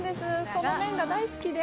その麺が大好きで。